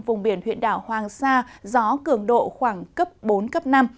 vùng biển huyện đảo hoàng sa gió cường độ khoảng cấp bốn cấp năm